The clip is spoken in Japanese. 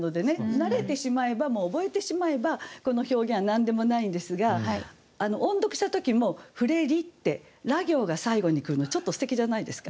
慣れてしまえば覚えてしまえばこの表現は何でもないんですが音読した時も「降れり」ってら行が最後に来るのちょっとすてきじゃないですか？